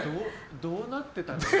どうなってたの？